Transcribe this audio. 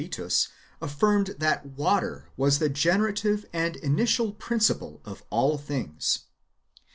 of Miletus affirmed that water was the generative and initial principle of all things.